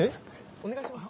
お願いします。